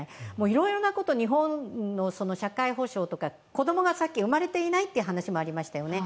いろいろなこと、日本の社会保障とか、子供が、さっき生まれていないという話がありましたよね。